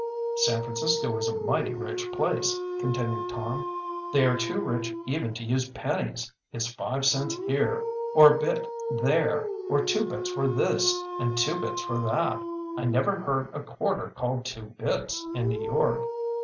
"San Francisco is a mighty rich place," continued Tom. "They are too rich even to use pennies. It's five cents here, or a bit there, or two bits for this and two bits for that. I never heard a quarter called two bits in New York."